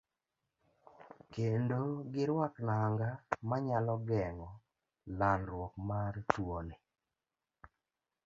Kendo giruak nanga manyalo geng'o landruok mar tuoni.